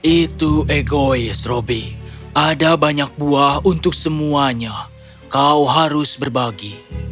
itu egois robby ada banyak buah untuk semuanya kau harus berbagi